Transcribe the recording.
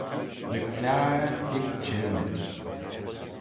Lurg fliaghey hig çhirmid.